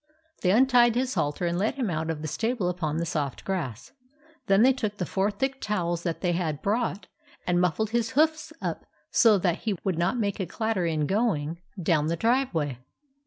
They untied his halter and led him out of the stable upon the soft grass. Then they took the four thick towels that they had brought, and muffled his hoofs up so that he would not make a clatter in going down the driveway.